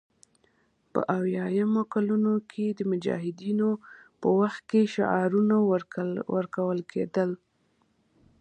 په اویایمو کلونو کې د مجاهدینو په وخت کې شعارونه ورکول کېدل